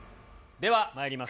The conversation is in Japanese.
では、まいります。